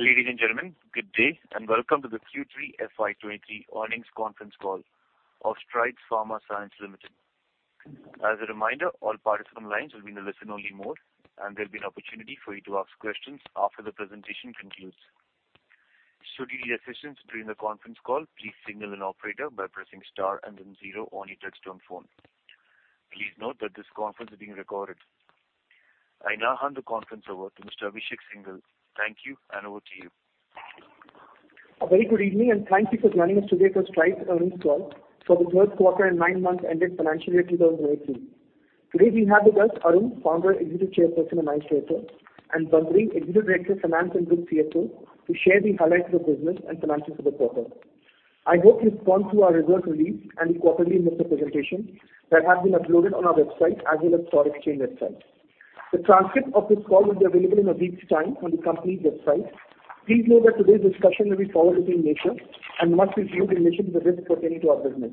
Ladies and gentlemen, good day, and welcome to the Q3 FY23 earnings conference call of Strides Pharma Science Limited. As a reminder, all participants lines will be in a listen-only mode, and there'll be an opportunity for you to ask questions after the presentation concludes. Should you need assistance during the conference call, please signal an operator by pressing star and then zero on your touchtone phone. Please note that this conference is being recorded. I now hand the conference over to Mr. Abhishek Singhal. Thank you. Over to you. A very good evening. Thank you for joining us today for Strides earnings call for the third quarter and nine months ended financial year 2023. Today we have with us Arun, Founder, Executive Chairperson, and Manager here, and Sundri, Executive Director, Finance and Group CFO, to share the highlights of the business and finances of the quarter. I hope you've gone through our results release and the quarterly investor presentation that have been uploaded on our website as well as stock exchange website. The transcript of this call will be available in a week's time on the company's website. Please note that today's discussion will be forward-looking in nature and must be viewed in relation to the risks pertaining to our business.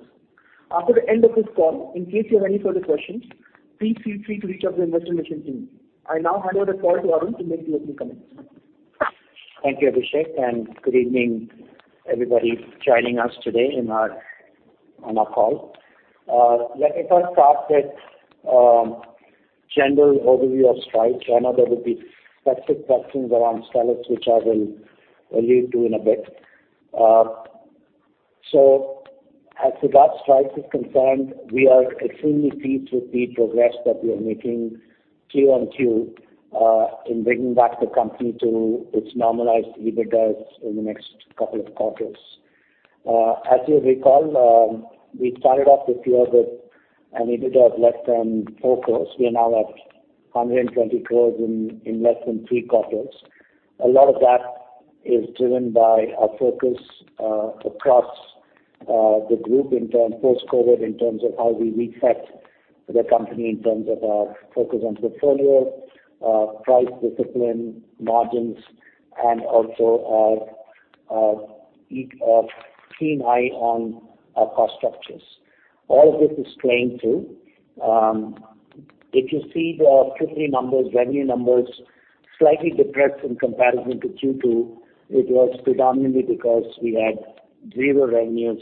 After the end of this call, in case you have any further questions, please feel free to reach out to the investor relations team. I now hand over the call to Arun to make the opening comments. Thank you, Abhishek, good evening, everybody joining us today on our call. Let me first start with general overview of Strides. I know there will be specific questions around Stelis Biopharma, which I'll lead to in a bit. As to that Strides is concerned, we are extremely pleased with the progress that we are making Q on Q, in bringing back the company to its normalized EBITDAs in the next couple of quarters. As you'll recall, we started off the year with an EBITDA of less than 4 crores. We are now at 120 crores in less than three quarters. A lot of that is driven by our focus across the group post-COVID in terms of how we reset the company in terms of our focus on portfolio, price discipline, margins, and also our keen eye on our cost structures. All of this is playing to. If you see the Q3 numbers, revenue numbers, slightly depressed in comparison to Q2, it was predominantly because we had 0 revenues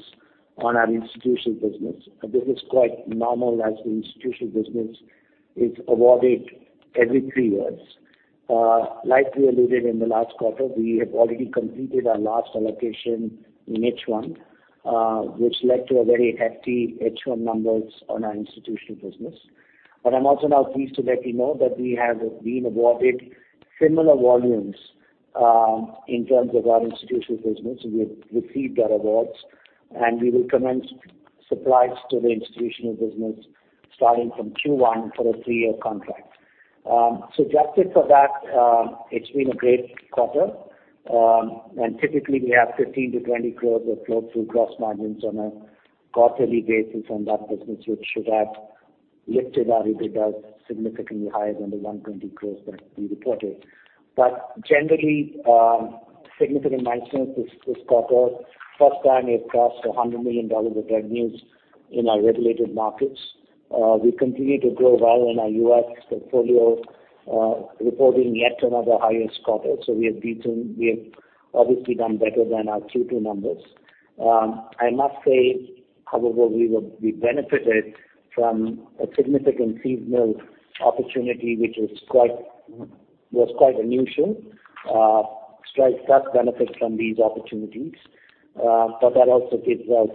on our institutional business. This is quite normal as the institutional business is awarded every three years. Like we alluded in the last quarter, we have already completed our last allocation in H1, which led to a very hefty H1 numbers on our institutional business. I'm also now pleased to let you know that we have been awarded similar volumes in terms of our institutional business. We've received our awards. We will commence supplies to the institutional business starting from Q1 for a three-year contract. Adjusted for that, it's been a great quarter. Typically we have 15-20 crores of flow through gross margins on a quarterly basis on that business, which should have lifted our EBITDAs significantly higher than the 120 crores that we reported. Generally, significant milestones this quarter. First time we have crossed $100 million of revenues in our regulated markets. We continue to grow well in our U.S. portfolio, reporting yet another highest quarter. We have obviously done better than our Q2 numbers. I must say, however, we benefited from a significant seasonal opportunity, which was quite unusual. Strides does benefit from these opportunities, but that also gives us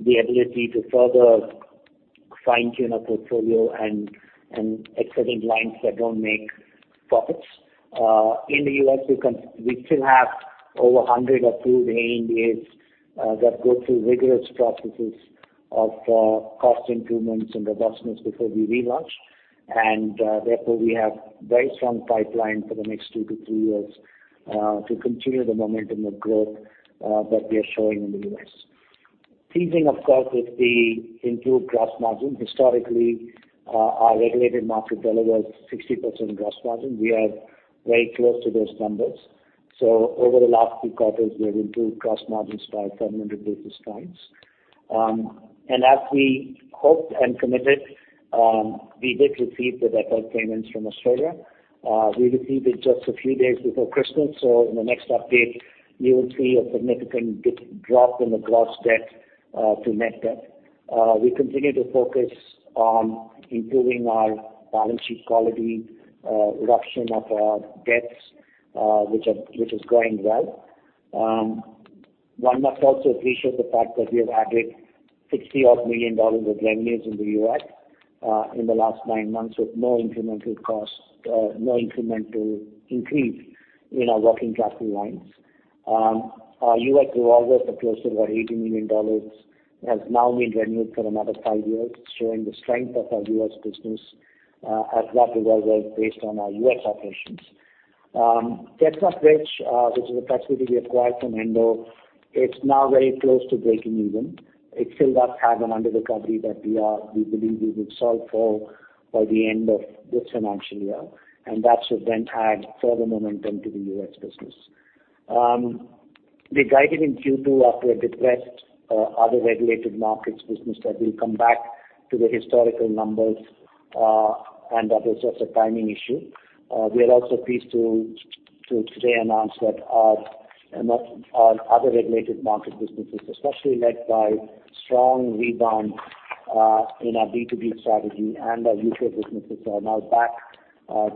the ability to further fine-tune our portfolio and exiting lines that don't make profits. In the U.S., we still have over 100 approved ANDAs, that go through rigorous processes of cost improvements and robustness before we relaunch. Therefore, we have very strong pipeline for the next two-three years, to continue the momentum of growth, that we are showing in the U.S. Teasing, of course, with the improved gross margin. Historically, our regulated market delivers 60% gross margin. We are very close to those numbers. Over the last few quarters, we have improved gross margins by 700 basis points. As we hoped and committed, we did receive the debt payments from Australia. We received it just a few days before Christmas. In the next update you will see a significant drop in the gross debt to net debt. We continue to focus on improving our balance sheet quality, reduction of our debts, which is going well. One must also appreciate the fact that we have added $60 million of revenues in the U.S. in the last nine months with no incremental cost, no incremental increase in our working capital lines. Our U.S. revolver for close to about $80 million has now been renewed for another 5 years, showing the strength of our U.S. business, as that revolver is based on our U.S. operations. Chestnut Ridge, which is a facility we acquired from Endo, it's now very close to breaking even. It still does have an underrecovery that we believe we will solve for by the end of this financial year, and that should then add further momentum to the U.S.. Business. We guided in Q2 after a depressed other regulated markets business that will come back to the historical numbers, and that was just a timing issue. We are also pleased to today announce that our other regulated market businesses, especially led by strong rebound in our B2B strategy and our U.K. businesses, are now back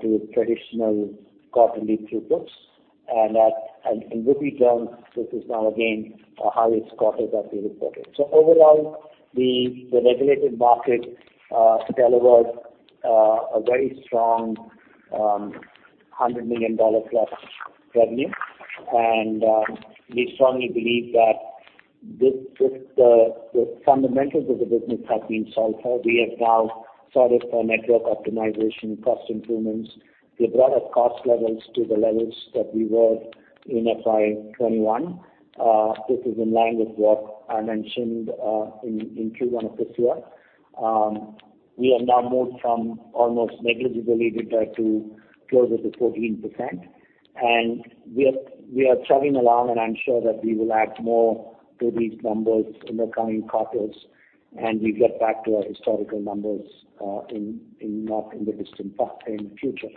to traditional quarterly throughputs, and in rupee terms, this is now again our highest quarter that we reported. Overall, the regulated market delivered a very strong $100 million plus revenue. We strongly believe that the fundamentals of the business have been solved for. We have now sorted for network optimization, cost improvements. We have brought our cost levels to the levels that we were in FY21. This is in line with what I mentioned in Q1 of this year. We have now moved from almost negligibly EBITDA to closer to 14%. We are chugging along, and I'm sure that we will add more to these numbers in the coming quarters, and we get back to our historical numbers in not in the distant, but in the future.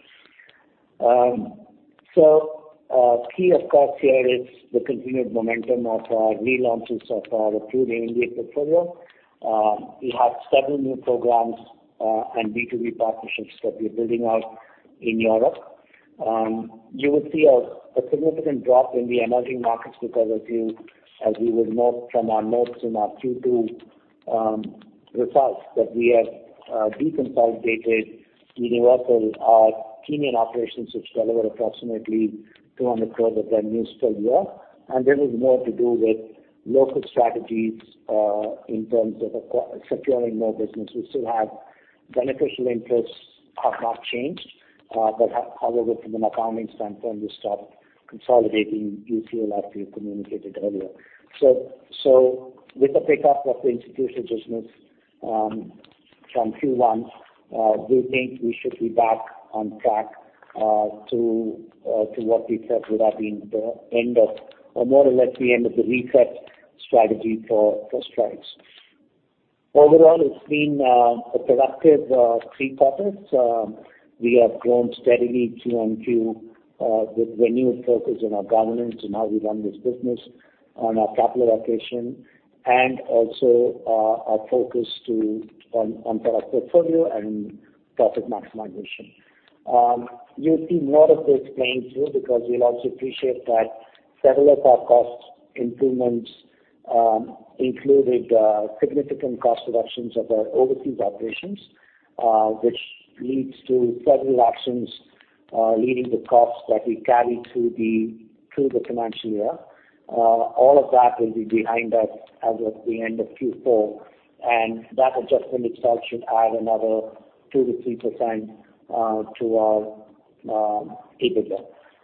Key of course here is the continued momentum of our relaunches of our approved AI portfolio. We have several new programs and B2B partnerships that we're building out in Europe. You will see a significant drop in the emerging markets because as you would note from our notes in our Q2 results that we have deconsolidated Universal, our Kenyan operations, which deliver approximately 200 crores of revenues per year. This is more to do with local strategies in terms of securing more business. We still have beneficial interests have not changed. However, from an accounting standpoint, we stopped consolidating UCL as we communicated earlier. With the pickup of the institutional business from Q1, we think we should be back on track to what we felt would have been the end of or more or less the end of the reset strategy for Strides. Overall, it's been a productive three quarters. We have grown steadily Q on Q with renewed focus on our governance and how we run this business on our capital allocation and also our focus on product portfolio and profit maximization. You'll see more of this playing through because you'll also appreciate that several of our cost improvements included significant cost reductions of our overseas operations, which leads to several actions leaving the costs that we carry through the financial year. All of that will be behind us as of the end of Q4, and that adjustment itself should add another 2%-3% to our EBITDA.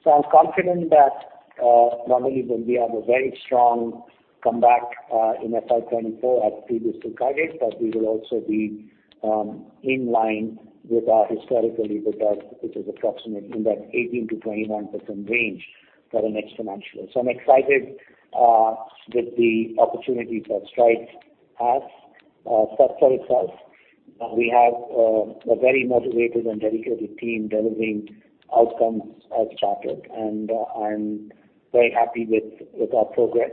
I'm confident that, not only will we have a very strong comeback in FY24 as previously guided, but we will also be in line with our historically which is approximately in that 18%-21% range for the next financial year. I'm excited with the opportunities that Strides has set for itself. We have a very motivated and dedicated team delivering outcomes as chartered, and I'm very happy with our progress.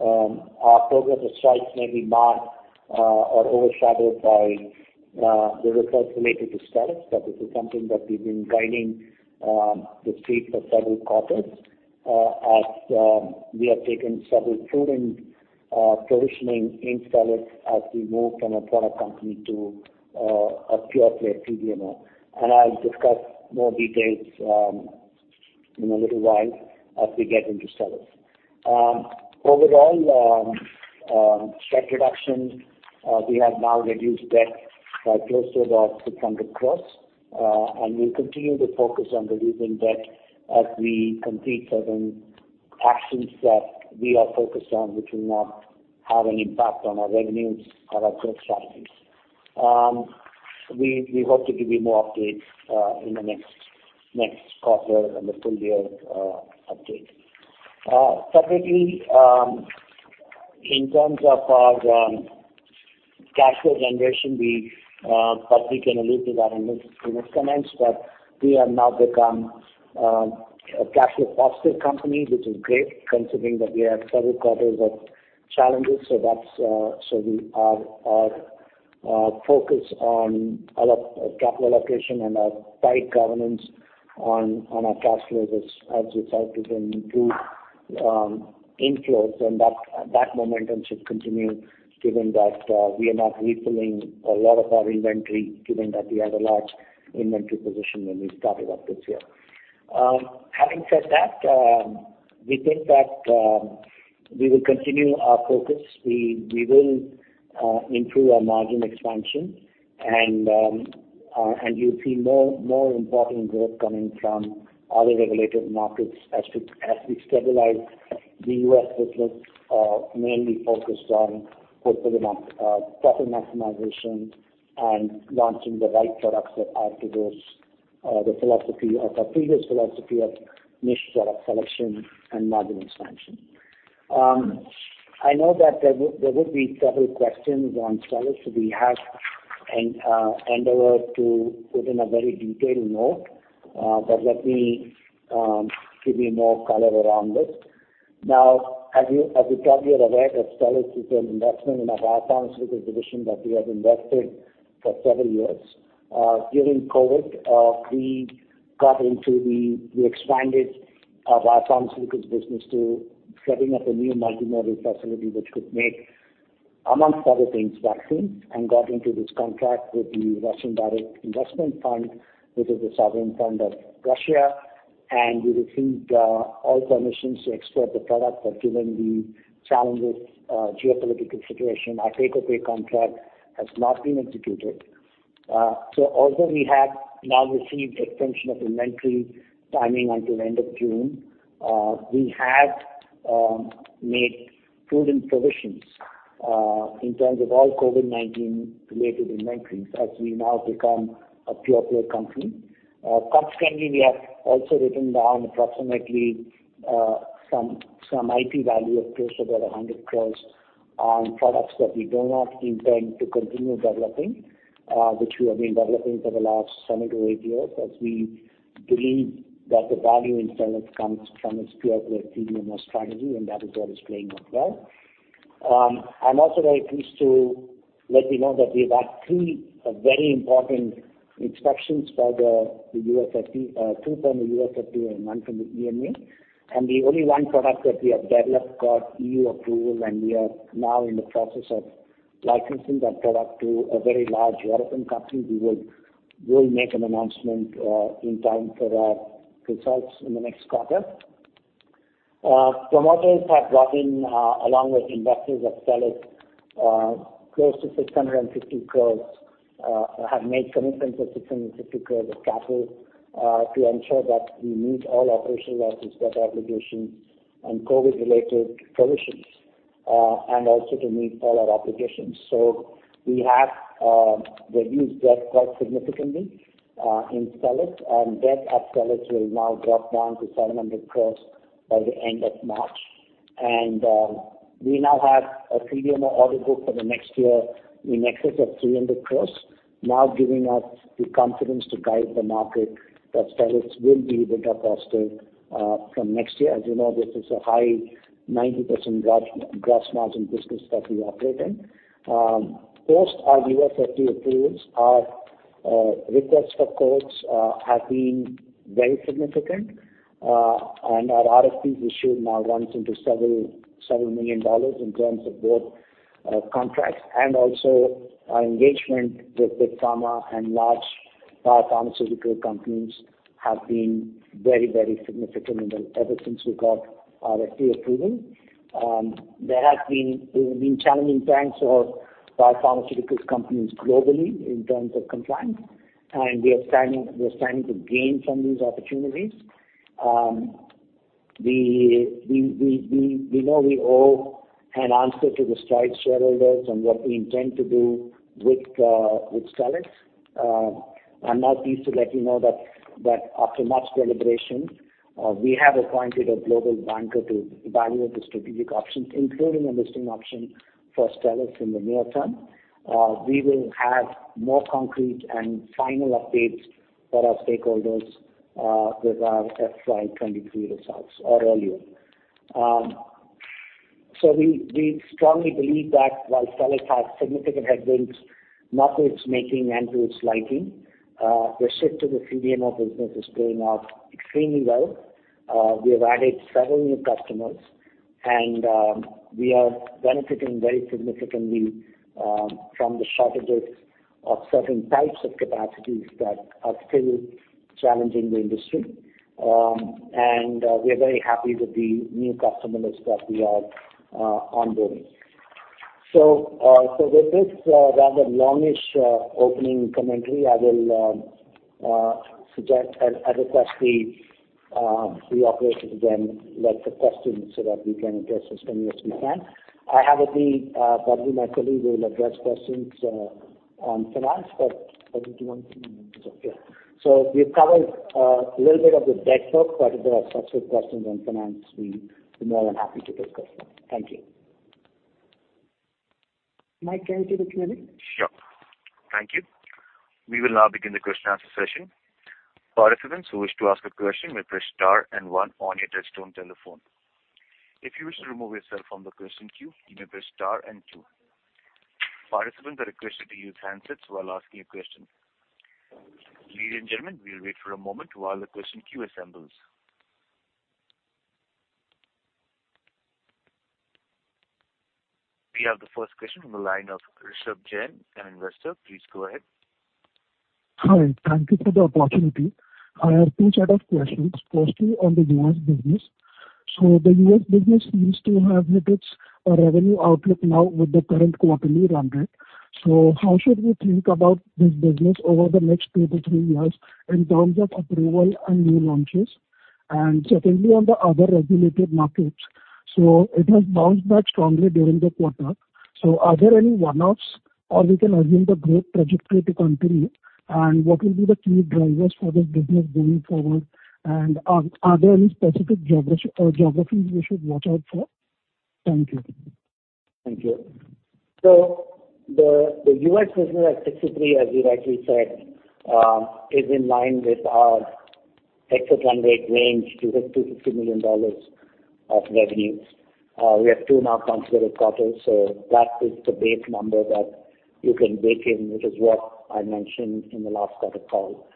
Our progress at Strides may be marred or overshadowed by the results related to Stelis. This is something that we've been guiding the street for several quarters. As we have taken several prudent positioning in Stelis as we move from a product company to a pure-play CDMO. I'll discuss more details in a little while as we get into Stelis. Overall, strict reduction, we have now reduced debt by close to about 600 crores, and we'll continue to focus on reducing debt as we complete certain actions that we are focused on, which will not have any impact on our revenues or our growth strategies. We hope to give you more updates in the next quarter and the full year update. Separately, in terms of our cash flow generation, Patrik and Alok will add in his comments, but we have now become a cash flow positive company, which is great considering that we had several quarters of challenges. That's. So we are focused on capital allocation and our tight governance on our cash flows as we start to bring improved inflows. That momentum should continue given that we are not refilling a lot of our inventory given that we had a large inventory position when we started off this year. Having said that, we think that we will continue our focus. We will improve our margin expansion, and you'll see more important growth coming from other regulated markets as we stabilize the U.S. business, mainly focused on profit maximization and launching the right products that add to those. The philosophy of our previous philosophy of niche product selection and margin expansion. I know that there will be several questions on Stelis Biopharma, we have endeavored to put in a very detailed note. Let me give you more color around this. As you probably are aware that Stelis Biopharma is an investment in our biopharmaceutical division that we have invested for several years. During COVID-19, we expanded our biopharmaceutical business to setting up a new multimodal facility which could make, amongst other things, vaccines, got into this contract with the Russian Direct Investment Fund, which is the sovereign fund of Russia. We received all permissions to export the product. Given the challenges, geopolitical situation, our take-or-pay contract has not been executed. Although we have now received extension of inventory timing until end of June, we have made prudent provisions in terms of all COVID-19 related inventories as we now become a pure play company. Consequently, we have also written down approximately some IP value of close to about 100 crore on products that we do not intend to continue developing, which we have been developing for the last seven to eight years as we believe that the value in Sterilics comes from its pure play CDMO strategy, and that is what is playing out well. I'm also very pleased to let you know that we've had three very important inspections by the USFDA. Two from the USFDA and one from the EMA. The only one product that we have developed got EU approval, and we are now in the process of licensing that product to a very large European company. We will make an announcement in time for our results in the next quarter. Promoters have brought in along with investors of Stelis Biopharma close to 650 crores, have made commitments of 650 crores of capital to ensure that we meet all our operational and debt obligations and COVID-related provisions and also to meet all our obligations. We have reduced debt quite significantly in Stelis Biopharma. Debt at Stelis Biopharma will now drop down to 700 crores by the end of March. we now have a CDMO order book for the next year in excess of 300 crore, now giving us the confidence to guide the market that Stelis Biopharma will be EBITDA positive from next year. As you know, this is a high 90% gross margin business that we operate in. Post our USFDA approvals, our requests for quotes have been very significant. Our RFPs issued now runs into several million dollars in terms of both contracts and also our engagement with Big Pharma and large biopharmaceutical companies have been very significant ever since we got our FDA approval. These have been challenging times for biopharmaceutical companies globally in terms of compliance, and we are standing to gain from these opportunities. We know we owe an answer to the Strides shareholders on what we intend to do with Stelis. I'm now pleased to let you know that after much deliberation, we have appointed a global banker to evaluate the strategic options, including a listing option for Stelis in the near term. We will have more concrete and final updates for our stakeholders with our FY23 results or earlier. We strongly believe that while Stelis has significant headwinds, not waves making and waves lighting, the shift to the CDMO business is playing out extremely well. We have added several new customers, and we are benefiting very significantly from the shortages of certain types of capacities that are still challenging the industry. We are very happy with the new customer list that we are onboarding. With this rather longish opening commentary, I will suggest and request the operators again let the questions so that we can address as many as we can. I have with me, Parag and my colleague who will address questions on finance. Parag, do you want to say anything? Okay. We've covered a little bit of the debt book, but if there are subsequent questions on finance, we'd be more than happy to discuss that. Thank you. Mike, can you take it from here? Sure. Thank you. We will now begin the question and answer session. Participants who wish to ask a question may press star and one on your touchtone telephone. If you wish to remove yourself from the question queue, you may press star and two. Participants are requested to use handsets while asking a question. Ladies and gentlemen, we'll wait for a moment while the question queue assembles. We have the first question on the line of Rishabh Jain, an investor. Please go ahead. Hi. Thank you for the opportunity. I have two set of questions. Firstly, on the U.S. business. The U.S. business seems to have hit its revenue outlook now with the current quarterly run rate. How should we think about this business over the next two to three years in terms of approval and new launches? Secondly, on the other regulated markets It has bounced back strongly during the quarter. Are there any one-offs or we can assume the growth trajectory to continue? What will be the key drivers for this business going forward? Are there any specific geographies we should watch out for? Thank you. Thank you. The U.S. business at 63, as you rightly said, is in line with our excess run rate range, $200 million-$250 million of revenue. We have two now considerable quarters, so that is the base number that you can bake in, which is what I mentioned in the last quarter call.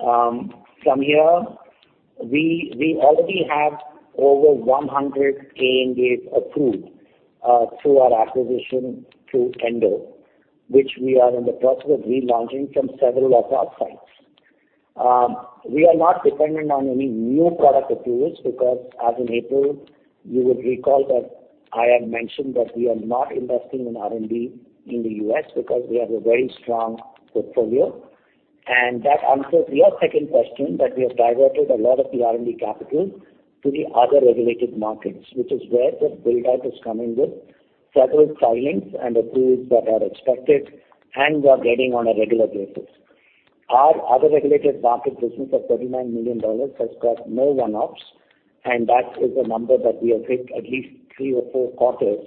From here we already have over 100 ANDAs approved, through our acquisition through Endo, which we are in the process of relaunching from several of our sites. We are not dependent on any new product approvals because as in April, you would recall that I had mentioned that we are not investing in R&D in the U.S. because we have a very strong portfolio. That answers your second question that we have diverted a lot of the R&D capital to the other regulated markets, which is where the build-up is coming with several filings and approvals that are expected and we are getting on a regular basis. Our other regulated market business of $39 million has got no one-offs, and that is a number that we have hit at least three or four quarters,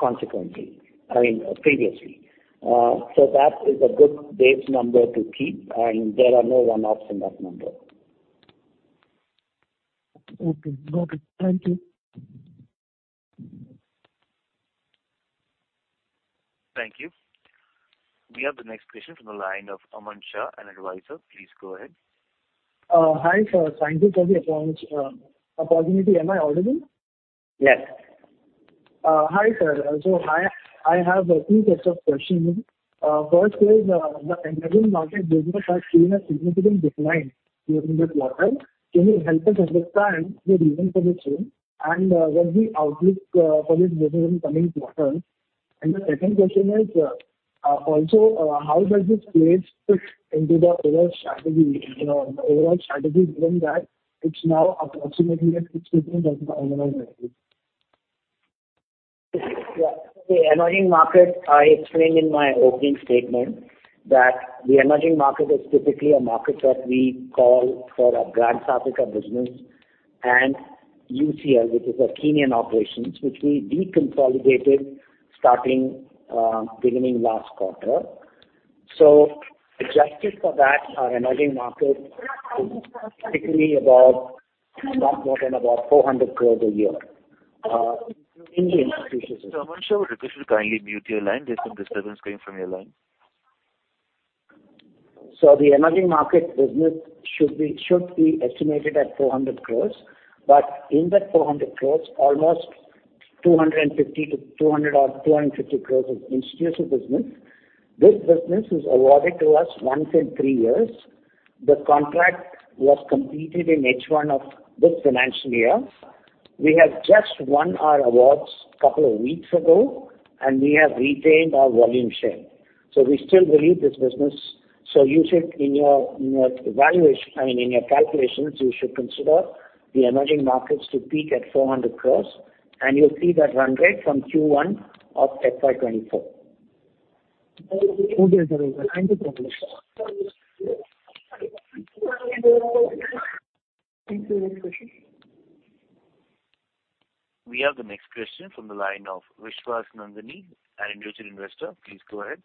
consequently, I mean previously. That is a good base number to keep and there are no one-offs in that number. Okay. Got it. Thank you. Thank you. We have the next question from the line of Aman Shah, an advisor. Please go ahead. Hi, sir. Thank you for the approach, opportunity. Am I audible? Yes. Hi, sir. I have a few sets of questions. First is, the emerging market business has seen a significant decline during the quarter. Can you help us understand the reason for the same and what's the outlook for this business in the coming quarters? The second question is, also, how does this place fit into the overall strategy, you know, the overall strategy, given that it's now approximately at 6% of the overall revenue? Yeah. The emerging market, I explained in my opening statement that the emerging market is typically a market that we call for our Trinity South Africa business and UCL, which is our Kenyan operations, which we deconsolidated starting beginning last quarter. Adjusted for that, our emerging market is typically about, it's not more than about 400 crores a year in the institutional business. Aman Shah, could you kindly mute your line? There's some disturbance coming from your line. The emerging market business should be estimated at 400 crores. In that 400 crores, almost 250 to 200 or 250 crores is institutional business. This business is awarded to us once in three years. The contract was completed in H1 of this financial year. We have just won our awards a couple of weeks ago, and we have retained our volume share. We still believe this business. You should, in your evaluation... I mean, in your calculations, you should consider the emerging markets to peak at 400 crores, and you'll see that run rate from Q1 of FY24. Okay. Thank you for your answer. Thank you. Next question. We have the next question from the line of Vishwas Nandani, an individual investor. Please go ahead.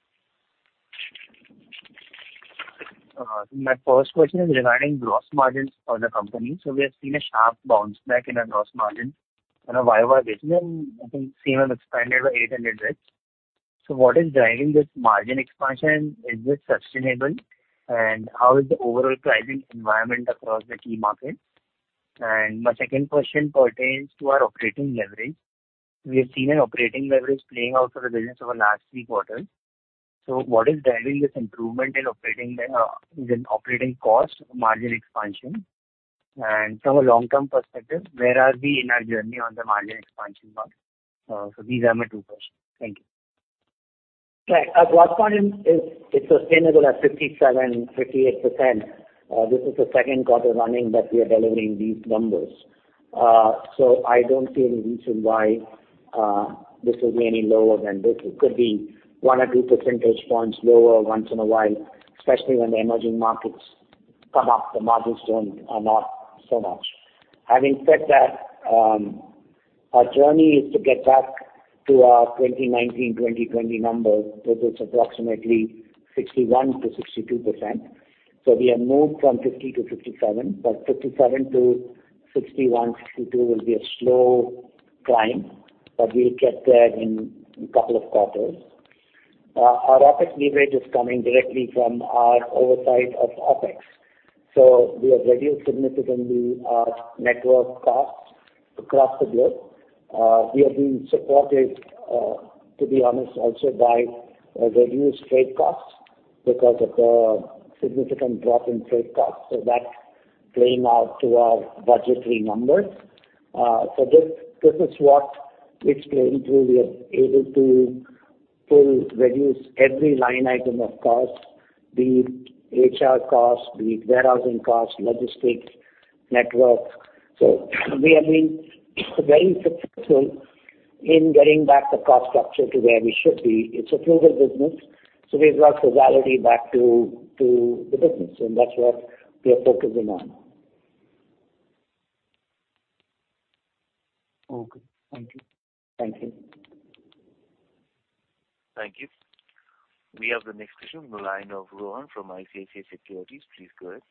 My first question is regarding gross margins for the company. We have seen a sharp bounce back in our gross margin in our Viwa business and I think same has expanded by 800 basis. What is driving this margin expansion? Is it sustainable? How is the overall pricing environment across the key markets? My second question pertains to our operating leverage. We have seen an operating leverage playing out for the business over last three quarters. What is driving this improvement in operating cost margin expansion? From a long-term perspective, where are we in our journey on the margin expansion path? These are my two questions. Thank you. Right. Our gross margin is sustainable at 57%-58%. This is the second quarter running that we are delivering these numbers. I don't see any reason why this will be any lower than this. It could be one or two percentage points lower once in a while, especially when the emerging markets come up, the margins are not so much. Having said that, our journey is to get back to our 2019-2020 numbers, which is approximately 61%-62%. We have moved from 50-57, but 57- 61-62 will be a slow climb, but we'll get there in a couple of quarters. Our OpEx leverage is coming directly from our oversight of OpEx. We have reduced significantly our network costs across the globe. We are being supported, to be honest, also by a reduced freight cost because of the significant drop in freight costs. That's playing out to our budgetary numbers. This is what is playing through. We are able to reduce every line item of cost, be it HR cost, be it warehousing cost, logistics, network. We have been very successful in getting back the cost structure to where we should be. It's a frugal business, so we've brought frugality back to the business, and that's what we are focusing on. Okay. Thank you. Thank you. Thank you. We have the next question on the line of Rohan from ICICI Securities. Please go ahead.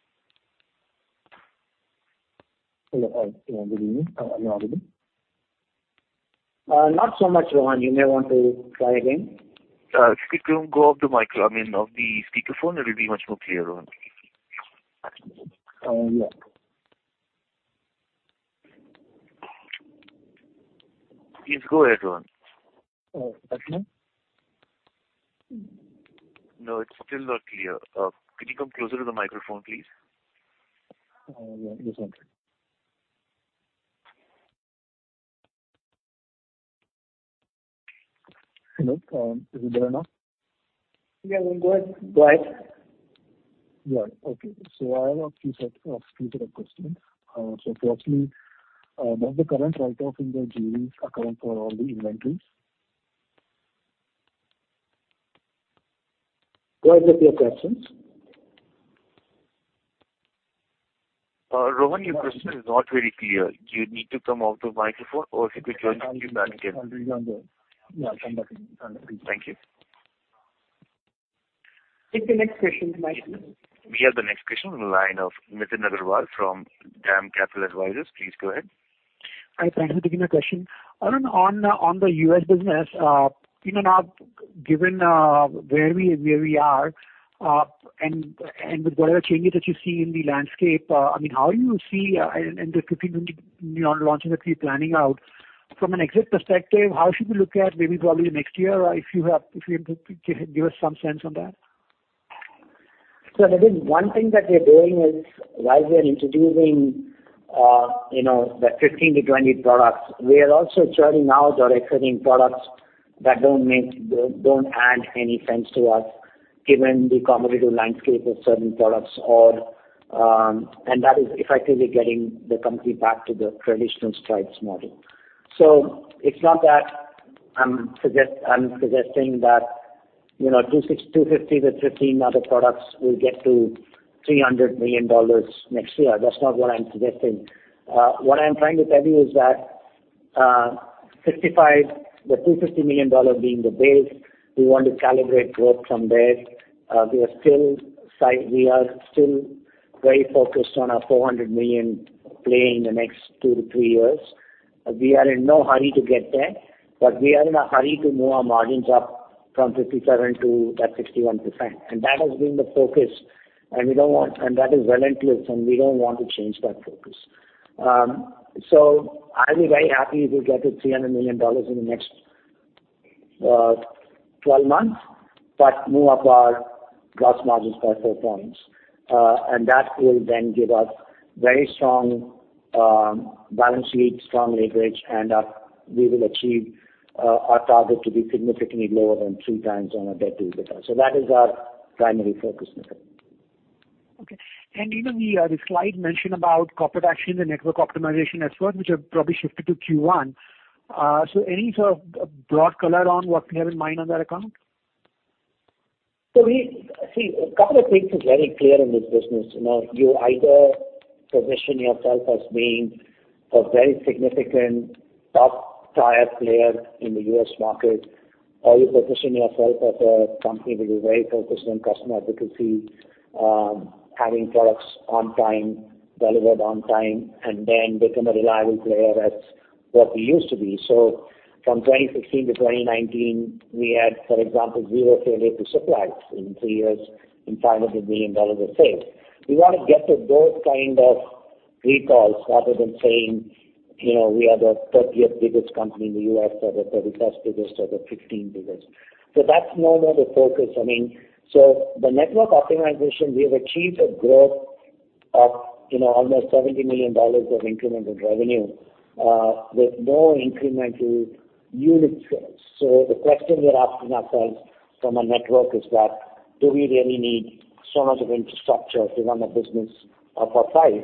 Hello. Good evening. Are you audible? Not so much, Rohan. You may want to try again. If you could go I mean, off the speaker phone, it'll be much more clearer. Yeah. Please go ahead, Rohan. Better? No, it's still not clear. Can you come closer to the microphone, please? Yeah. Just one second. Hello. Is it better now? Yeah. Go ahead. Go ahead. Yeah. Okay. I have a few set of questions. Firstly, does the current write-off in the GES account for all the inventories? Go ahead with your questions. Rohan, your question is not very clear. Do you need to come off the microphone or if you could join back again? Yeah, I'll come back in. Thank you. Take the next question, Michael. We have the next question on the line of Nitin Agarwal from DAM Capital Advisors. Please go ahead. Hi. Thank you. Nitin again. Arun, on the U.S. business, you know, now given where we are, and with whatever changes that you see in the landscape, I mean, how do you see, and the 15 new launches that you're planning out from an exit perspective, how should we look at maybe probably next year or if you could give us some sense on that? Nitin, one thing that we are doing is while we are introducing, you know, the 15-20 products, we are also churning out our existing products that don't add any sense to us given the competitive landscape of certain products or. That is effectively getting the company back to the traditional Strides model. It's not that I'm suggesting that, you know, 250 with 15 other products will get to $300 million next year. That's not what I'm suggesting. What I'm trying to tell you is that, 55, the $250 million being the base, we want to calibrate growth from there. We are still very focused on our $400 million play in the next two-three years. We are in no hurry to get there, but we are in a hurry to move our margins up from 57 to that 61%. That has been the focus, and we don't want. That is relentless, and we don't want to change that focus. I'll be very happy if we get to $300 million in the next 12 months, but move up our gross margins by four points. That will then give us very strong balance sheet, strong leverage, and we will achieve our target to be significantly lower than two times on our debt-to-EBITDA. That is our primary focus, Nitin. Okay. In the the slide mention about corporate action, the network optimization effort which have probably shifted to Q1. Any sort of broad color on what you have in mind on that account? See, a couple of things is very clear in this business. You know, you either position yourself as being a very significant top tier player in the U.S. market, or you position yourself as a company that is very focused on customer advocacy, having products on time, delivered on time, and then become a reliable player as what we used to be. From 2016 to 2019, we had, for example, zero failure to supplies in three years in $500 million of sales. We wanna get to those kind of recalls rather than saying, you know, we are the 30th biggest company in the U.S. or the 31st biggest or the 15th biggest. That's no longer the focus. I mean... The network optimization, we have achieved a growth of, you know, almost $70 million of incremental revenue with no incremental unit sales. The question we're asking ourselves from a network is that, do we really need so much of infrastructure to run a business of our size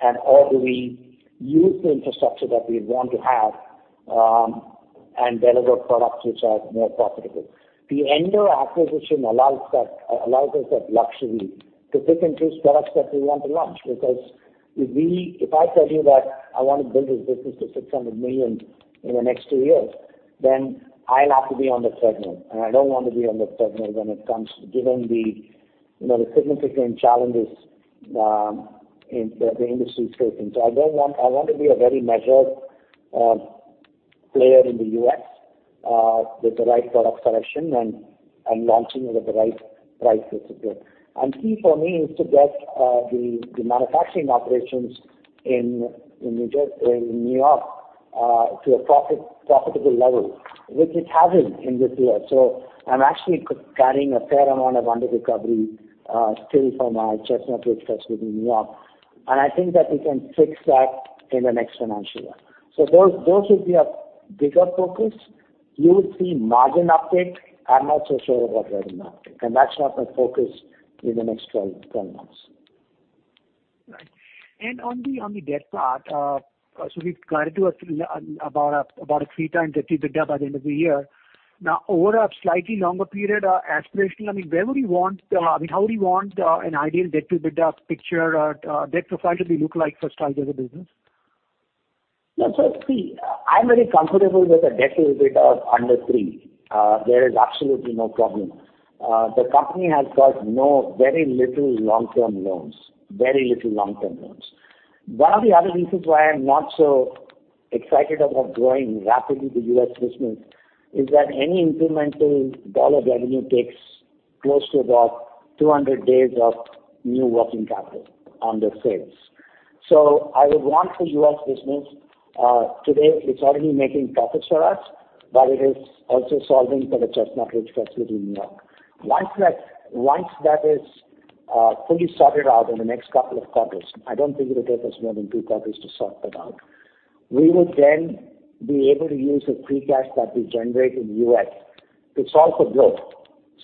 and, or do we use the infrastructure that we want to have and deliver products which are more profitable? The Endo acquisition allows us that luxury to pick and choose products that we want to launch. If I tell you that I want to build this business to $600 million in the next two years, then I'll have to be on the treadmill, and I don't want to be on the treadmill when it comes, given the, you know, the significant challenges in the industry facing. I want to be a very measured player in the U.S. with the right product selection and launching it at the right price, basically. Key for me is to get the manufacturing operations in New York to a profitable level, which it hasn't in this year. I'm actually carrying a fair amount of underrecovery still from our Chestnut Ridge that's within New York. I think that we can fix that in the next financial year. Those will be a bigger focus. You will see margin uptick. I'm not so sure about revenue uptick, and that's not my focus in the next 12 months. Right. On the debt part, we've guided to a three times debt to EBITDA by the end of the year. Now, over a slightly longer period, aspirationally, I mean, where would you want, I mean, how would you want an ideal debt to EBITDA picture or debt profile to be look like for Strides as a business? Yeah. I'm very comfortable with a debt to EBITDA of under three. There is absolutely no problem. The company has got no very little long-term loans. One of the other reasons why I'm not so excited about growing rapidly the U.S. business is that any incremental dollar revenue takes close to about 200 days of new working capital under sales. I would want the U.S. business, today it's already making profits for us, but it is also solving for the Chestnut Ridge facility in New York. Once that is fully sorted out in the next couple of quarters, I don't think it'll take us more than two quarters to sort that out. We will then be able to use the free cash that we generate in U.S. to solve for growth.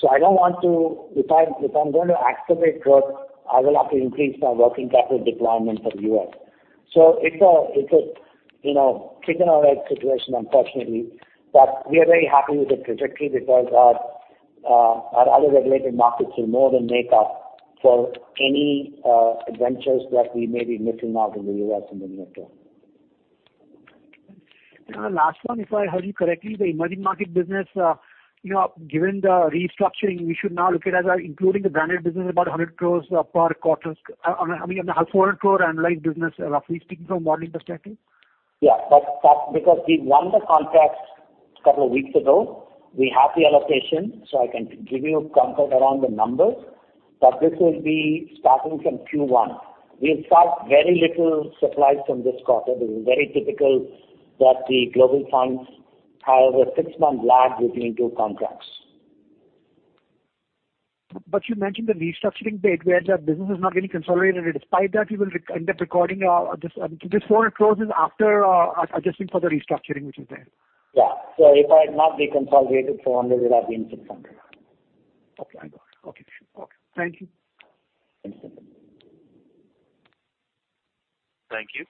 I don't want to... If I'm going to activate growth, I will have to increase my working capital deployment for the U.S. It's a, you know, chicken or egg situation, unfortunately. We are very happy with the trajectory because our other regulated markets will more than make up for any adventures that we may be missing out in the U.S. in the near term. Last one, if I heard you correctly, the emerging market business, you know, given the restructuring, we should now look at as including the branded business about 100 crore per quarter. I mean, the 400 crore analyzed business, roughly speaking from a modeling perspective. Yeah. That's because we won the contract couple of weeks ago. We have the allocation, so I can give you comfort around the numbers. This will be starting from Q1. We'll start very little supplies from this quarter. This is very typical that the global clients have a 6-month lag between two contracts. You mentioned the restructuring bit where the business is not really consolidated. Despite that, you will end up recording, this INR 400 crores is after adjusting for the restructuring which is there. Yeah. If I had not deconsolidated 400, it would have been 600. Okay. I got it. Okay. Okay. Thank you. Thanks. Thank you.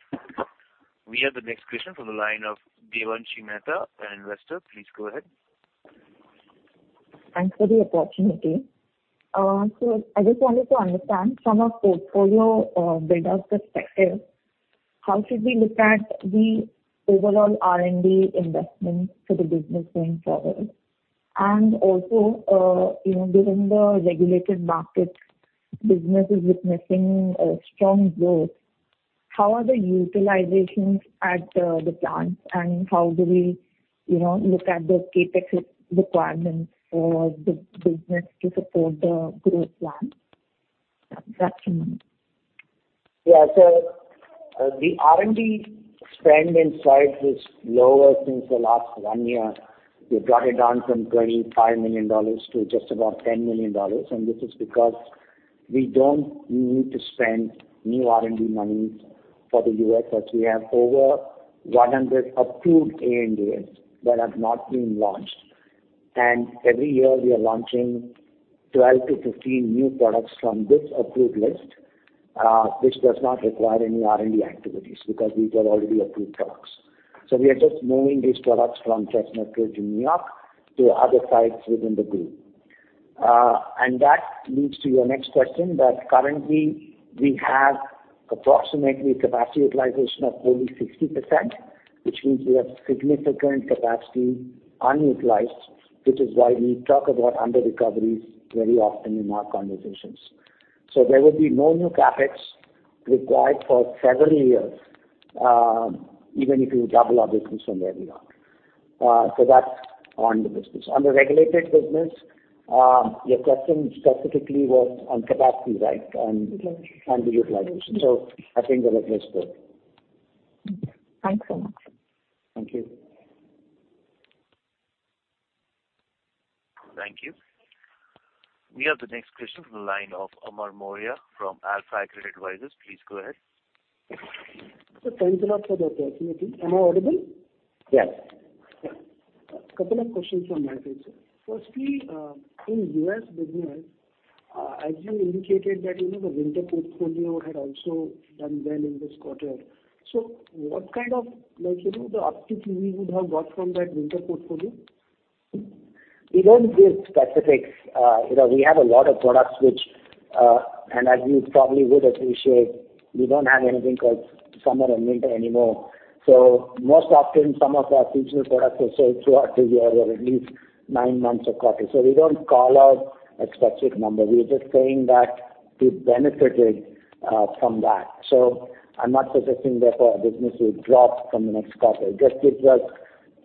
We have the next question from the line of Devanshi Mehta, an investor. Please go ahead. Thanks for the opportunity. I just wanted to understand from a portfolio, build-out perspective, how should we look at the overall R&D investment for the business going forward? Also, you know, given the regulated market business is witnessing a strong growth, how are the utilizations at the plants and how do we, you know, look at the CapEx requirements for the business to support the growth plan? That's it. Yeah. The R&D spend inside is lower since the last one year. We brought it down from $25 million to just about $10 million. This is because we don't need to spend new R&D money for the U.S. as we have over 100 approved ANDAs that have not been launched. Every year we are launching 12 to 15 new products from this approved list, which does not require any R&D activities because these are already approved products. We are just moving these products from Chestnut Ridge in New York to other sites within the group. That leads to your next question, that currently we have approximately capacity utilization of only 60%, which means we have significant capacity unutilized, which is why we talk about underrecoveries very often in our conversations. There will be no new CapEx required for several years, even if we double our business from where we are. That's on the business. On the regulated business, your question specifically was on capacity, right? Mm-hmm. The utilization. I think the request is clear. Thanks so much. Thank you. Thank you. We have the next question from the line of Amar Maurya from AlfAccurate Advisors. Please go ahead. Sir, thanks a lot for the opportunity. Am I audible? Yes. Yeah. A couple of questions from my side, sir. Firstly, in U.S. business, as you indicated that, you know, the winter portfolio had also done well in this quarter. What kind of like, you know, the uptick we would have got from that winter portfolio? We don't give specifics. you know, we have a lot of products which, and as you probably would appreciate, we don't have anything called summer and winter anymore. Most often some of our seasonal products will sell throughout the year or at least nine months a quarter. We don't call out a specific number. We're just saying that we benefited from that. I'm not suggesting therefore our business will drop from the next quarter. Just gives us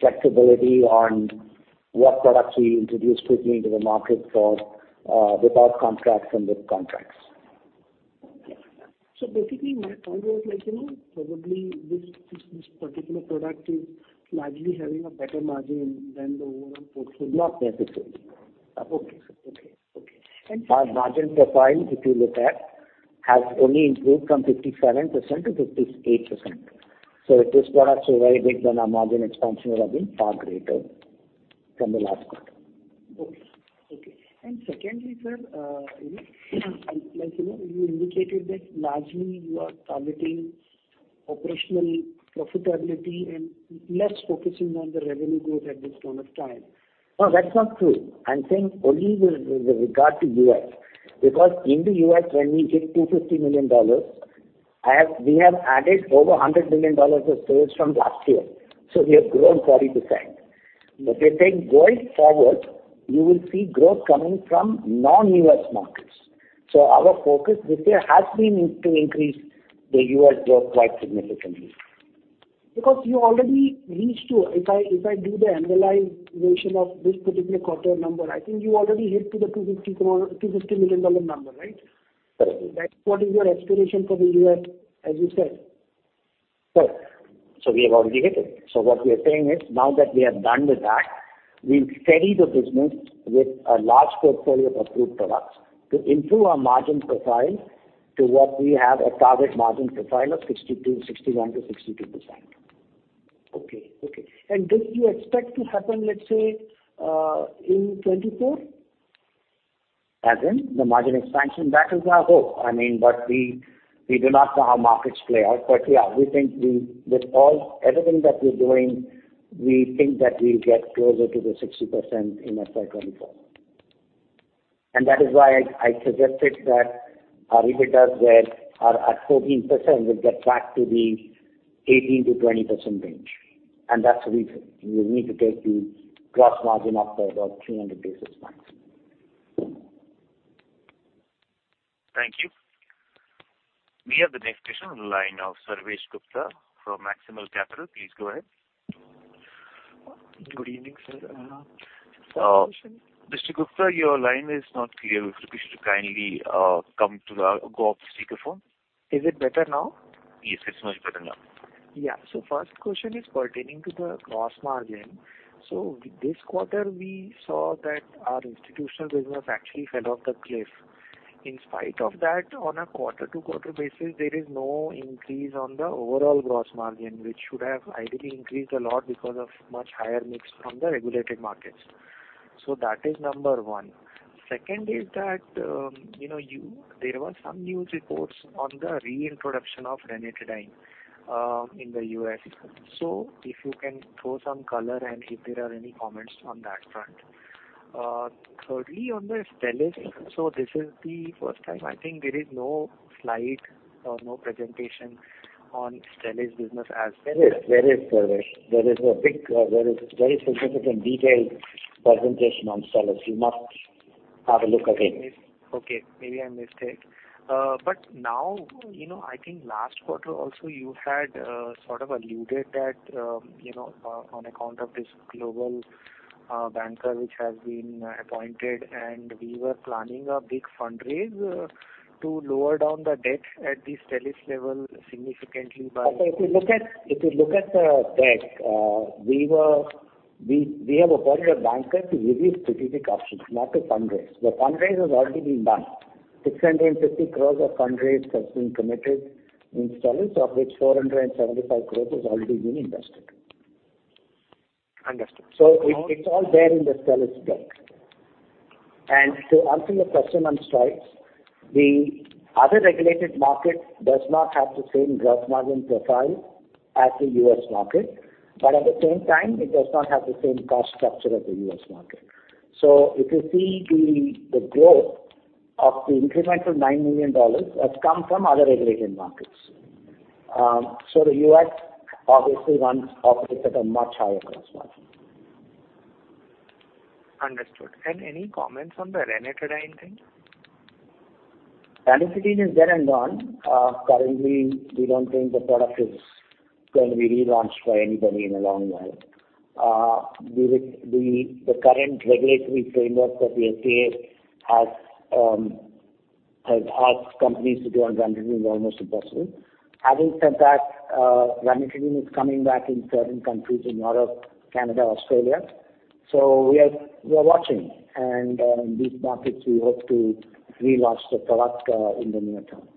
flexibility on what products we introduce quickly into the market for, without contracts and with contracts. Basically my point was like, you know, probably this particular product is largely having a better margin than the overall portfolio. Not necessarily. Okay, sir. Our margin profile, if you look at, has only improved from 57%-58%. If this were actually very big, then our margin expansion would have been far greater from the last quarter. Okay. Okay. Secondly, sir, you know, like, you know, you indicated that largely you are targeting operational profitability and less focusing on the revenue growth at this point of time. No, that's not true. I'm saying only with regard to U.S., because in the U.S., when we hit $250 million, we have added over $100 million of sales from last year. We have grown 40%. I think going forward, you will see growth coming from non-U.S. markets. Our focus this year has been to increase the U.S. growth quite significantly. You already reached to If I do the annualized version of this particular quarter number, I think you already hit to the $250 million number, right? Correct. That's what is your aspiration for the US, as you said. Correct. We have already hit it. What we are saying is now that we are done with that, we'll steady the business with a large portfolio of approved products to improve our margin profile to what we have a target margin profile of 62, 61%-62%. Okay. Okay. This you expect to happen, let's say, in 2024? As in the margin expansion? That is our hope. I mean, but we do not know how markets play out. Yeah, we think With all, everything that we're doing, we think that we'll get closer to the 60% in FY24. That is why I suggested that our EBITDA's where are at 14% will get back to the 18%-20% range. That's the reason. We need to take the gross margin up by about 300 basis points. Thank you. We have the next question on the line of Sarvesh Gupta from Maximal Capital. Please go ahead. Good evening, sir. first question. Mr. Gupta, your line is not clear. If you could kindly, go off the speaker phone. Is it better now? Yes, it's much better now. First question is pertaining to the gross margin. This quarter, we saw that our institutional business actually fell off the cliff. In spite of that, on a quarter-to-quarter basis, there is no increase on the overall gross margin, which should have ideally increased a lot because of much higher mix from the regulated markets. That is number one. Second is that, you know, there were some news reports on the reintroduction of ranitidine in the U.S. If you can throw some color and if there are any comments on that front. Thirdly, on the Stelis, this is the first time I think there is no slide or no presentation on Stelis business as- There is, Sarvesh. There is a big, very significant detailed presentation on Stelis. You must have a look again. Okay. Maybe I missed it. Now, you know, I think last quarter also, you had sort of alluded that, you know, on account of this global banker which has been appointed, and we were planning a big fundraise to lower down the debt at the Stelis level significantly by. If you look at the debt, We have appointed a banker to give you specific options, not to fundraise. The fundraise has already been done. 650 crores of fundraise has been committed in Stelis, of which 475 crores has already been invested. Understood. It, it's all there in the Stelis deck. To answer your question on Strides, the other regulated market does not have the same gross margin profile as the U.S. market, but at the same time, it does not have the same cost structure as the U.S. market. If you see the growth of the incremental $9 million has come from other regulated markets. The U.S. obviously operates at a much higher gross margin. Understood. Any comments on the Ranitidine thing? Ranitidine is there and gone. Currently, we don't think the product is going to be relaunched by anybody in a long while. The current regulatory framework that we have here has asked companies to do on Ranitidine is almost impossible. Having said that, Ranitidine is coming back in certain countries in Europe, Canada, Australia. We are watching. These markets, we hope to relaunch the product in the near term.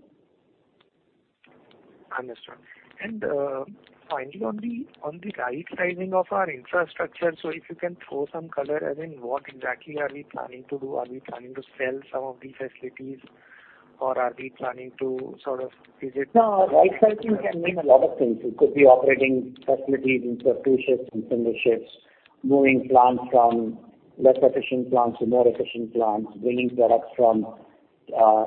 Understood. finally, on the rightsizing of our infrastructure, so if you can throw some color, as in what exactly are we planning to do? Are we planning to sell some of these facilities, or are we planning to? No, rightsizing can mean a lot of things. It could be operating facilities in two shifts, in similar shifts, moving plants from less efficient plants to more efficient plants, bringing products from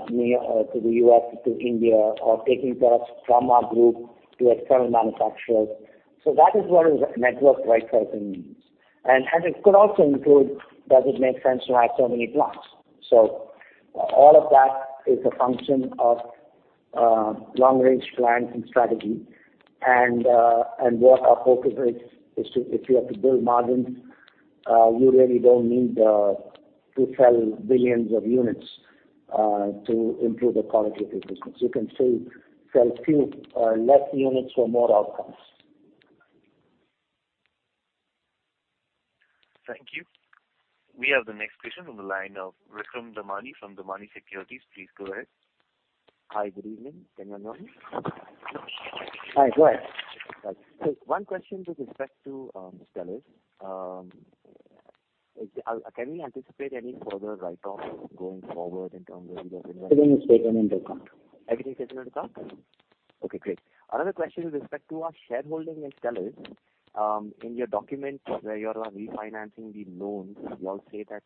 near or to the U.S. to India, or taking products from our group to external manufacturers. That is what is network rightsizing means. It could also include does it make sense to have so many plants. All of that is a function of long-range planning strategy. What our focus is to if you have to build margins, you really don't need to sell billions of units to improve the quality of your business. You can say, sell few, less units for more outcomes. Thank you. We have the next question on the line of Rikham Damani from Damani Securities. Please go ahead. Hi, good evening. Can you hear me? Hi. Go ahead. Right. One question with respect to Stelis. Can we anticipate any further write-off going forward in terms of the... Everything is taken into account. Everything is taken into account? Okay, great. Another question with respect to our shareholding in Stelis. In your document where you are refinancing the loans, you all state that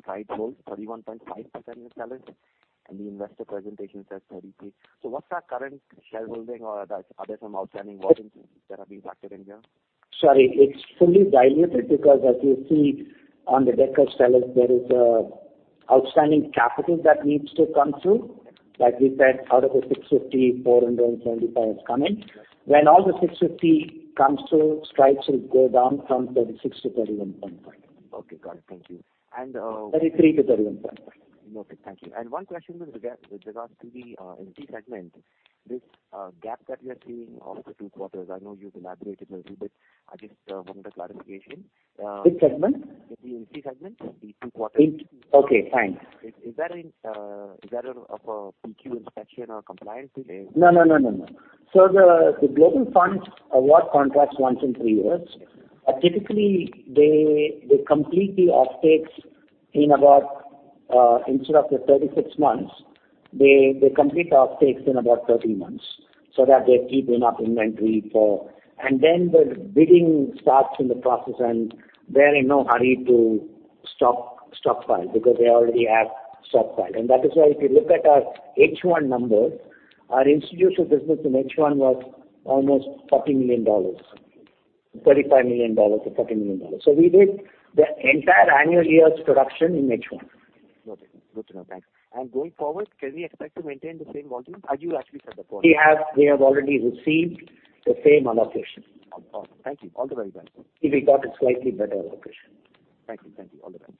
Strides holds 31.5% in Stelis, and the investor presentation says 33. What's our current shareholding or are there some outstanding warrants that are being factored in here? Sorry. It's fully diluted because as you see on the deck of Stelis, there is outstanding capital that needs to come through. Like we said, out of the 650, 475 is coming. When all the 650 comes through, Strides will go down from 36 to 31.5. Okay, got it. Thank you. Thirty-three to thirty-one point five. Okay, thank you. One question with regards to the NC segment. This gap that we are seeing after two quarters, I know you've elaborated a little bit. I just wanted a clarification. Which segment? The NC segment, the two quarters. Okay, fine. Is that of a PQ inspection or compliance with? No, no, no. The, the global funds award contracts once in three years. Typically, they complete the off takes in about, instead of the 36 months, they complete the off takes in about 13 months so that they keep enough inventory for... The bidding starts in the process, and they're in no hurry to stock, stockpile because they already have stockpile. That is why if you look at our H1 numbers, our institutional business in H1 was almost $40 million, $35 million-$40 million. We did the entire annual year's production in H1. Okay. Good to know. Thanks. Going forward, can we expect to maintain the same volume as you actually said before? We have already received the same allocation. Oh, thank you. All the very best. If we got a slightly better allocation. Thank you. Thank you. All the best.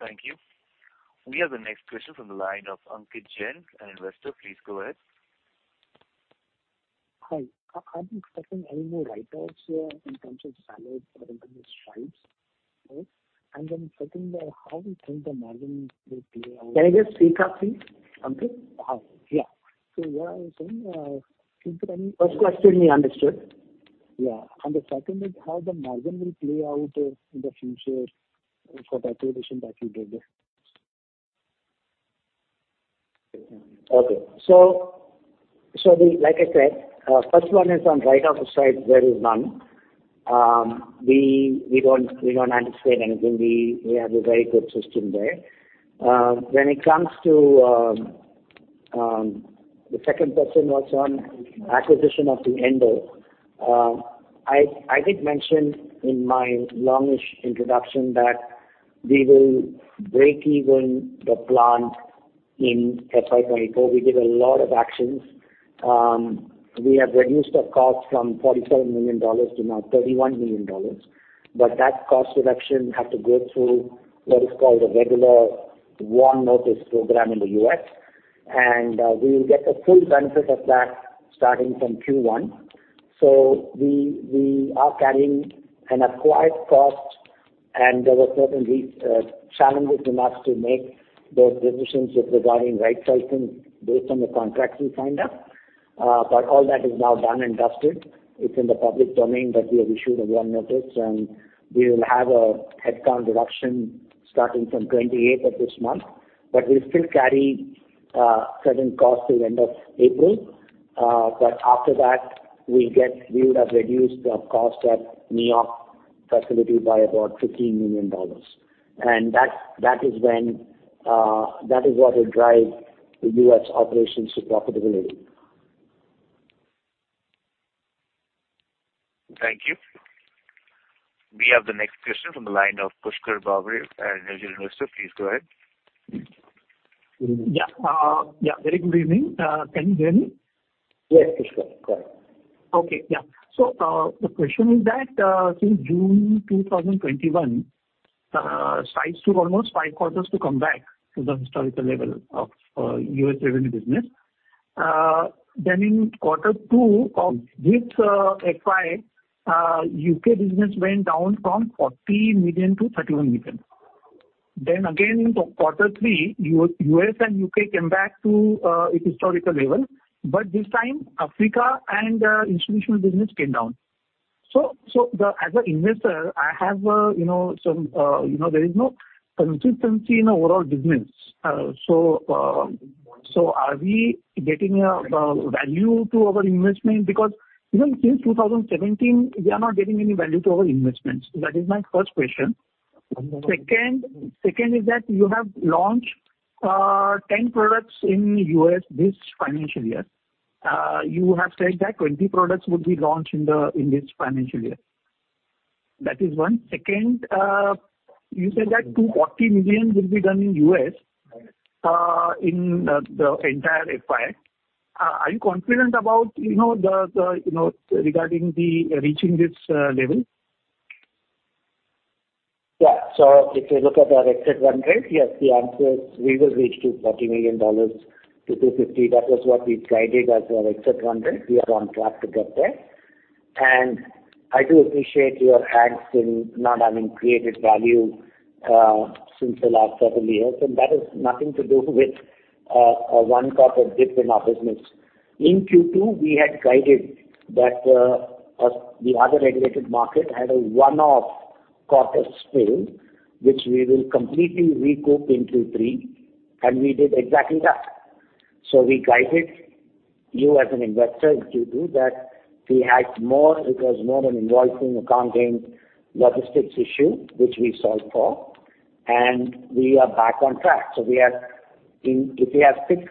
Thank you. We have the next question from the line of Ankit Jain, an investor. Please go ahead. Hi. Are we expecting any more write-offs, in terms of Strides for the company Strides? How we think the margin will play out? Can I just recap please, Ankit? Yeah. What I was saying. First question we understood. Yeah. The second is how the margin will play out, in the future for the acquisition that you did there. Okay. Like I said, first one is on write-off side, there is none. We, we don't, we don't anticipate anything. We, we have a very good system there. When it comes to... The second question was on acquisition of the Endo. I did mention in my longish introduction that we will break even the plant in FY24. We did a lot of actions. We have reduced our cost from $47 million to now $31 million. That cost reduction have to go through what is called a regular WARN notice program in the U.S., and we will get the full benefit of that starting from Q1. We are carrying an acquired cost, and there were certain challenges in us to make those decisions with regarding right sizing based on the contracts we signed up. All that is now done and dusted. It's in the public domain that we have issued a WARN notice, and we will have a headcount reduction starting from 28th of this month. We'll still carry certain costs till end of April. After that, We would have reduced our cost at New York facility by about $15 million. That is when, that is what will drive the U.S. operations to profitability. Thank you. We have the next question from the line of Pushkar Bagre, an individual investor. Please go ahead. Yeah. yeah, very good evening. can you hear me? Yes, Pushkar. Go ahead. Okay. Yeah. The question is that since June 2021, Strides took almost five quarters to come back to the historical level of U.S. revenue business. In quarter two of this FY, U.K. business went down from 40 million to 31 million. In quarter three, U.S. and U.K. came back to its historical level. This time Africa and institutional business came down. As an investor, I have, you know, some, you know, there is no consistency in overall business. Are we getting the value to our investment? Even since 2017, we are not getting any value to our investments. That is my first question. Second is that you have launched 10 products in U.S. this financial year. You have said that 20 products would be launched in this financial year. That is one. Second, you said that $240 million will be done in U.S., in the entire FY. Are you confident about, you know, the, you know, regarding the reaching this level? If you look at our exit run rate, yes, the answer is we will reach to $40 million-$250 million. That was what we guided as our exit run rate. We are on track to get there. I do appreciate your angst in not having created value since the last several years, and that is nothing to do with one quarter dip in our business. In Q2, we had guided that as the other regulated market had a one-off quarter spill, which we will completely recoup in Q3, we did exactly that. We guided you as an investor in Q2 that it was more an invoicing, accounting, logistics issue, which we solved for, we are back on track. We are in if you have six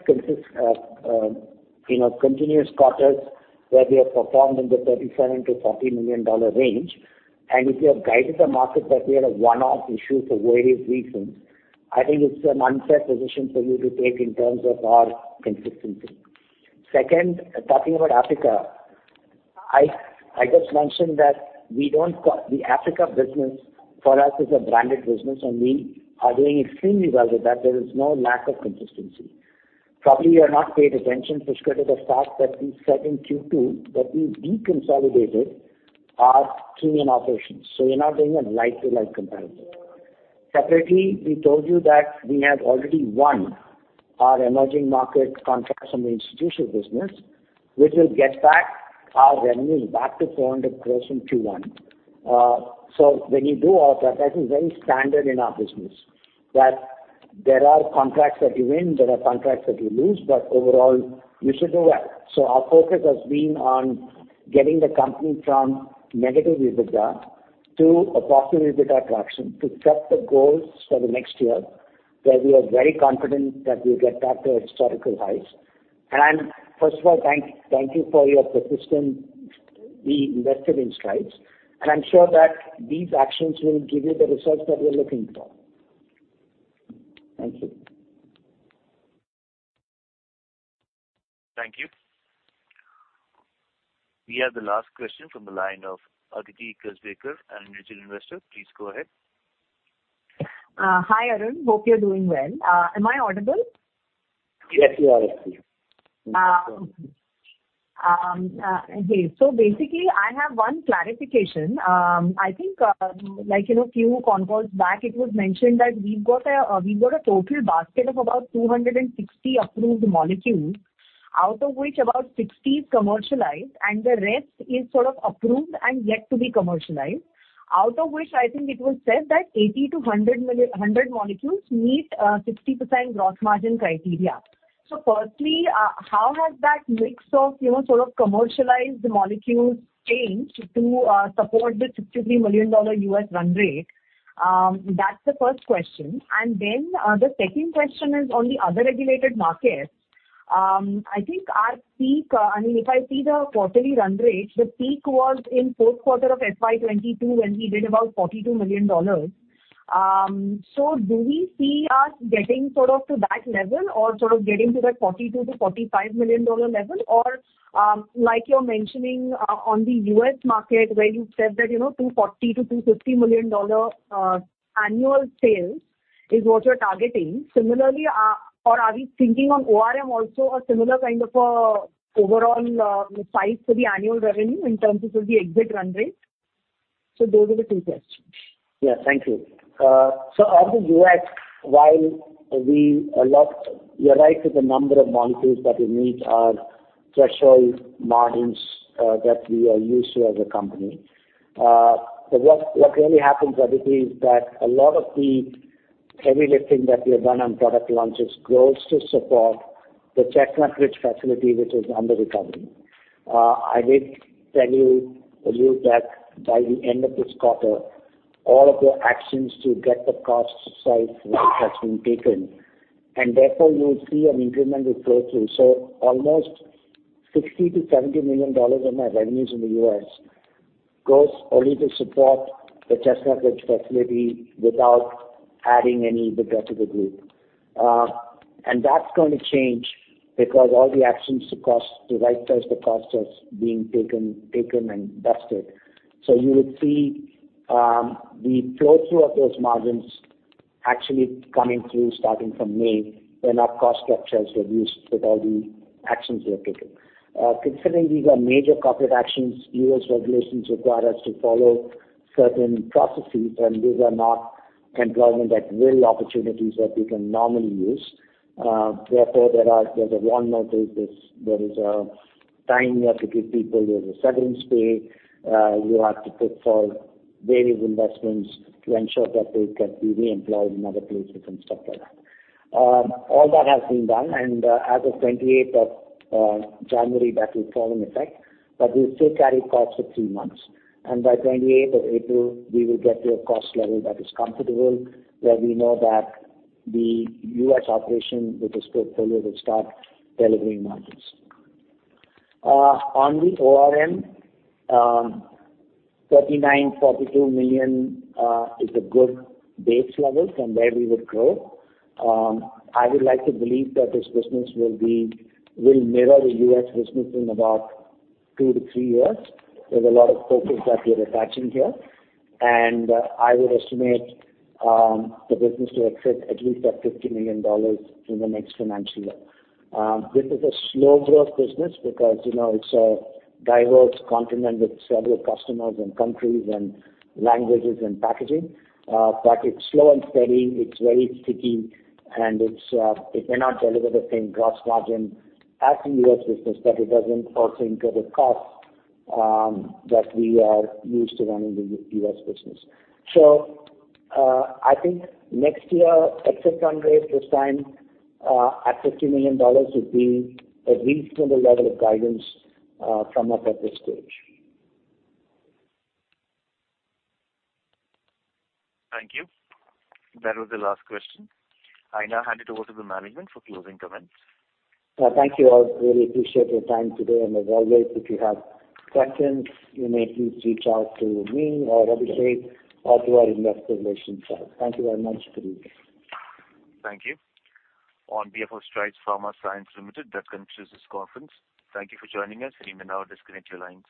continuous quarters where we have performed in the $37 million-$40 million range, and if you have guided the market that we had a one-off issue for various reasons, I think it's an unfair position for you to take in terms of our consistency. Second, talking about Africa, I just mentioned that the Africa business for us is a branded business, and we are doing extremely well with that. There is no lack of consistency. Probably, you have not paid attention to the fact that we said in Q2 that we deconsolidated our Kenyan operations, so you're not doing a like-to-like comparison. Separately, we told you that we have already won our emerging market contracts from the institutional business, which will get back our revenues back to 400 crores from Q1. That is very standard in our business, that there are contracts that you win, there are contracts that you lose, but overall you should do well. Our focus has been on getting the company from negative EBITDA to a positive EBITDA traction to set the goals for the next year, where we are very confident that we'll get back to historical highs. First of all, thank you for your persistent reinvesting in Strides. I'm sure that these actions will give you the results that you're looking for. Thank you. Thank you. We have the last question from the line of Aditi Kasbekar, an individual investor. Please go ahead. Hi, Arun. Hope you're doing well. Am I audible? Yes, you are, Aditi. Okay. Basically, I have one clarification. I think, like, you know, few conf calls back, it was mentioned that we've got a total basket of about 260 approved molecules, out of which about 60 is commercialized, and the rest is sort of approved and yet to be commercialized. Out of which, I think it was said that 80-100 molecules meet 60% gross margin criteria. Firstly, how has that mix of, you know, sort of commercialized molecules changed to support the $63 million U.S. run rate? That's the first question. The second question is on the other regulated markets. I think our peak, I mean, if I see the quarterly run rate, the peak was in fourth quarter of FY22 when we did about $42 million. Do we see us getting sort of to that level or sort of getting to that $42 million-$45 million level? Like you're mentioning on the US market where you said that, you know, $240 million-$250 million annual sales is what you're targeting. Similarly, are we thinking on ORM also a similar kind of a overall size for the annual revenue in terms of the exit run rate? Those are the two questions. Thank you. On the U.S., you're right with the number of molecules that will meet our threshold margins that we are used to as a company. What really happens, Aditi, is that a lot of the heavy lifting that we have done on product launches goes to support the Chestnut Ridge facility which is under recovery. I did tell you a little back, by the end of this quarter, all of the actions to get the costs to size right has been taken, and therefore you will see an incremental flow through. Almost $60 million-$70 million of my revenues in the US goes only to support the Chestnut Ridge facility without adding any EBITDA to the group. That's going to change because all the actions to cost, to right size the cost are being taken and vested. You would see the flow through of those margins actually coming through starting from May, when our cost structure is reduced with all the actions we have taken. Considering these are major corporate actions, U.S. regulations require us to follow certain processes, and these are not employment at will opportunities that we can normally use. Therefore, there's a WARN notice. There is a time you have to give people. There's a severance pay. You have to put forth various investments to ensure that they can be reemployed in other places and stuff like that. All that has been done, and as of 28th of January, that will fall in effect. We'll still carry costs for three months. By 28th of April, we will get to a cost level that is comfortable, where we know that the US operation with this portfolio will start delivering margins. On the ORM, $39 million-$42 million is a good base level from where we would grow. I would like to believe that this business will mirror the US business in about two-three years. There's a lot of focus that we're attaching here, and I would estimate the business to exit at least at $50 million in the next financial year. This is a slow growth business because, you know, it's a diverse continent with several customers and countries and languages and packaging. It's slow and steady. It's very sticky. It's, it may not deliver the same gross margin as the U.S. business, but it doesn't also incur the costs that we are used to running the U.S. business. I think next year exit run rate this time, at $50 million would be a reasonable level of guidance from us at this stage. Thank you. That was the last question. I now hand it over to the management for closing comments. Thank you all. Really appreciate your time today. As always, if you have questions, you may please reach out to me or Abhishek or to our investor relations side. Thank you very much. Good evening. Thank you. On behalf of Strides Pharma Science Limited, that concludes this conference. Thank you for joining us. You may now disconnect your lines.